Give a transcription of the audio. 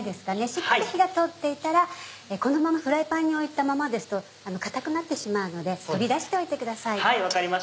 しっかり火が通っていたらこのままフライパンに置いたままですと硬くなってしまうので取り出しておいてください。